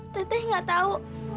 tete gak tahu